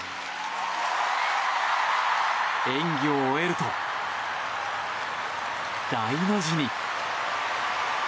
演技を終えると、大の字に。